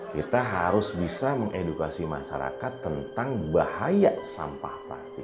kita harus bisa mengedukasi masyarakat tentang bahaya sampah plastik